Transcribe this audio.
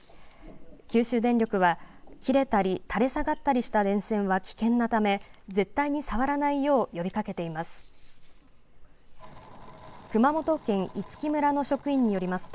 九州電力は、切れたり、垂れ下がったりした電線は危険なため、絶対に触らないよう、呼びかけています。